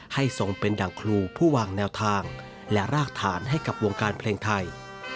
ทรงเป็นดั่งครูผู้วางแนวทางและรากฐานให้กับวงการเพลงไทย